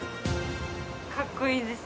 かっこいいです。